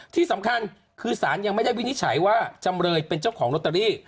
ที่สำคัญคือสารยังไม่ได้วินิจฉัยว่าจำเลยเป็นเจ้าของลอตเตอรี่